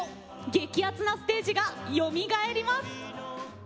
激アツなステージがよみがえります。